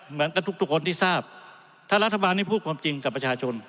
เหมือนกับทุกทุกคนที่ทราบถ้ารัฐบาลนี้พูดความจริงกับประชาชน